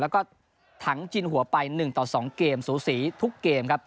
แล้วก็ถังจินหัวไป๑ต่อ๒เกมสูสีทุกเกมครับ